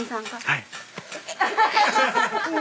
はい。